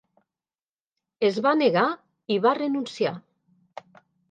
Es va negar i va renunciar.